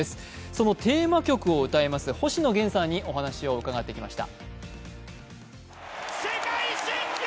そのテーマ曲を歌います星野源さんにお話を伺いました。